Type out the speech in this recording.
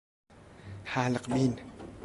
حلق بین